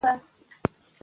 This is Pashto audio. او بايد خپله جزا وګوري .